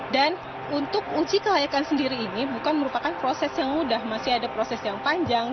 dan untuk uji kelayakan sendiri ini bukan merupakan proses yang mudah masih ada proses yang panjang